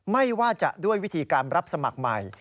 ไม่ว่าจะด้วยวิธีการรับสมัครใหม่